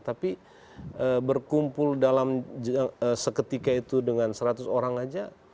tapi berkumpul dalam seketika itu dengan seratus orang saja